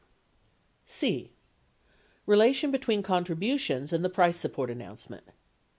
666 (c) Relation between, contributions and the price support announce ment